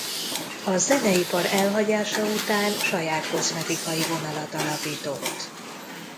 A zeneipar elhagyása után saját kozmetikai vonalat alapított.